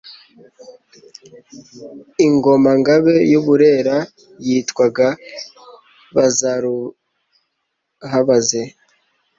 Ingoma-ngabe y'u Burera yitwaga “Bazaruhabaze”